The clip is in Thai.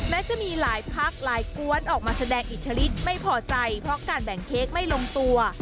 แม้จะมีหลายพักหลายกวนออกมาแสดงอิทธิฤทธิไม่พอใจเพราะการแบ่งเค้กไม่ลงตัว